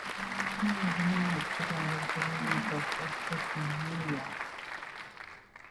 He is rumored to direct the remake of "Escape from New York".